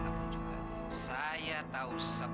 kamu menghancam aku